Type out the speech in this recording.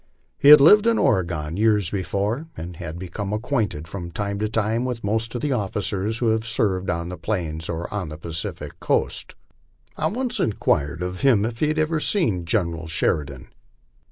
He had lived in Oregon years before, and had become acquainted from time to time with most of the officers who had served on the plains or on the Pacific coast. I once inquired of him if he had ever seen General Sheridan?